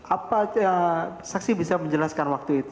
apa saksi bisa menjelaskan waktu itu